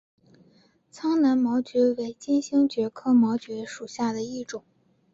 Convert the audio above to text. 苍南毛蕨为金星蕨科毛蕨属下的一个种。